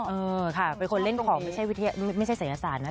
เออค่ะเป็นคนเล่นของไม่ใช่วิทยาลัยไม่ใช่ศัลยศาลนะ